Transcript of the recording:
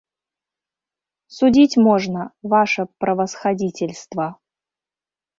Судзіць можна, ваша правасхадзіцельства.